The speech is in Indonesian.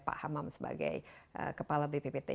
pak hamam sebagai kepala bppt